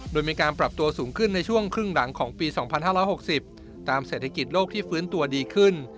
โดยมีการปรับตัวสูงขึ้นในช่วงครึ่งหลังของปี๒๕๖๐ตามเศรษฐกิจโลกที่ฟื้นตัวดีขึ้น